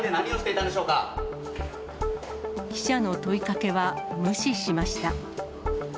記者の問いかけは無視しました。